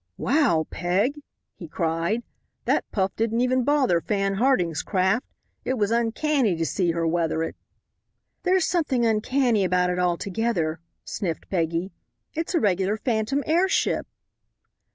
"Wow, Peg!" he cried, "that puff didn't even bother Fan Harding's craft. It was uncanny to see her weather it." "There's something uncanny about it altogether," sniffed Peggy; "it's a regular phantom airship."